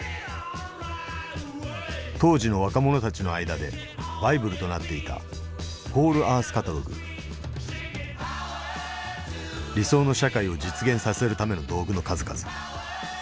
当時の若者たちの間でバイブルとなっていた理想の社会を実現させるための道具の数々。